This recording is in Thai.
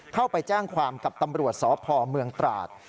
เข้าไปแจ้งความกับตำรวจสพเมืองตราด